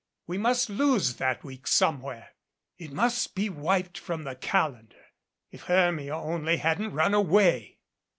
We must lose that week somewhere. It must be wiped from the calendar. If Hermia only hadn't run away